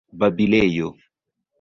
babilejo